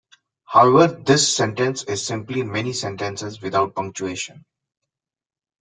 However, this sentence is simply many sentences without punctuation.